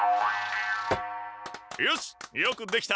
よしよくできた。